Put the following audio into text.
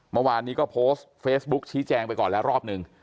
เมื่อวานนี้ก็โพสต์เฟซบุ๊กชี้แจงไปก่อนแล้วรอบหนึ่ง